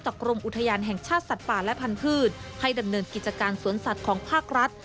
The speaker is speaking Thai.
กรมอุทยานแห่งชาติสัตว์ป่าและพันธุ์ให้ดำเนินกิจการสวนสัตว์ของภาครัฐ